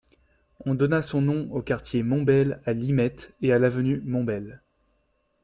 On donna son nom au quartier Mombele à Limete et à l’avenue Mombele.